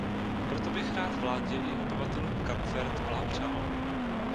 Proto bych rád vládě i obyvatelům Kapverd blahopřál.